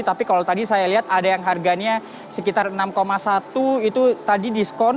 tapi kalau tadi saya lihat ada yang harganya sekitar enam satu itu tadi diskon